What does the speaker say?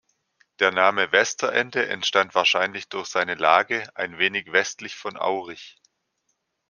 Der Name Westerende entstand wahrscheinlich durch seine Lage, ein wenig westlich von Aurich.